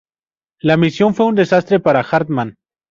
La misión fue un desastre para Hartmann.